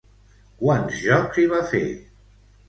Quants jocs hi va fer?